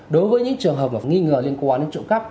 đối với những trường hợp nghi ngờ liên quan đến trụ cấp